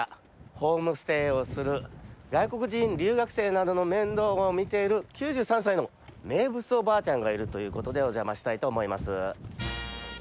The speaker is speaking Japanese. ホームステイをする外国人留学生などの面倒を見る９３歳の名物おばあちゃんがいるということでお邪魔したいと思います。